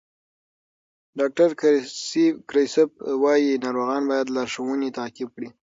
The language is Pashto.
ډاکټر کریسپ وایي ناروغان باید لارښوونې تعقیب کړي.